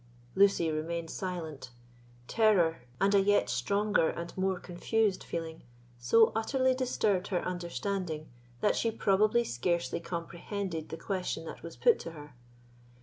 Lucy remained silent. Terror, and a yet stronger and more confused feeling, so utterly disturbed her understanding that she probably scarcely comprehended the question that was put to her.